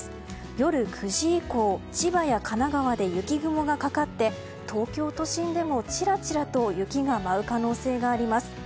夜９時以降千葉や神奈川で雪雲がかかって東京都心でも、ちらちらと雪が舞う可能性があります。